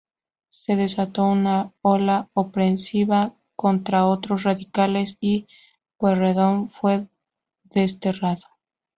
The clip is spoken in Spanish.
Se desató una ola represiva contra los radicales, y Pueyrredon fue desterrado.